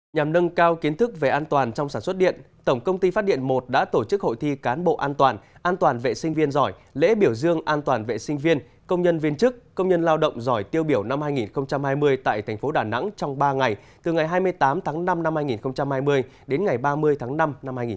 nhằm nâng cao kiến thức về an toàn trong sản xuất điện tổng công ty phát điện một đã tổ chức hội thi cán bộ an toàn an toàn vệ sinh viên giỏi lễ biểu dương an toàn vệ sinh viên công nhân viên chức công nhân lao động giỏi tiêu biểu năm hai nghìn hai mươi tại thành phố đà nẵng trong ba ngày từ ngày hai mươi tám tháng năm năm hai nghìn hai mươi đến ngày ba mươi tháng năm năm hai nghìn hai mươi